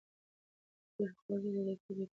شریف خپل زوی ته د کلي د پولو کیسه وکړه.